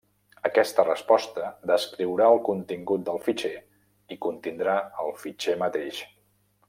Aquesta resposta descriurà el contingut del fitxer i contindrà el fitxer mateix.